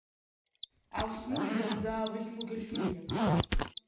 ავს ნუ იზამ, და ავის ნუ გეშინია.